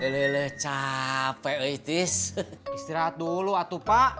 lele capek itis istirahat dulu atuh pak